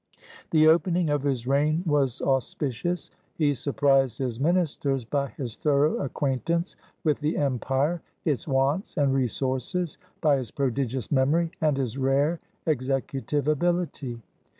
The opening of his reign was auspicious. He sur prised his ministers by his thorough acquaintance with the empire, its wants and resources, by his prodigious memory, and his rare executive ability.